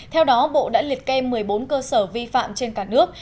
theo đó bộ đã liệt kê một mươi bốn cơ sở vi phạm trên cả nước